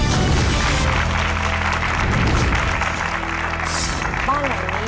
คุณนกเลือกตอบเรื่องแรกคือเรื่องบ้านของเราครับ